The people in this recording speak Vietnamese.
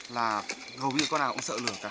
là gầu như con nào cũng sợ lửa cả